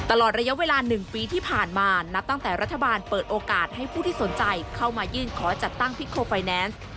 ตลอดระยะเวลา๑ปีที่ผ่านมานับตั้งแต่รัฐบาลเปิดโอกาสให้ผู้ที่สนใจเข้ามายื่นขอจัดตั้งพิโคไฟแนนซ์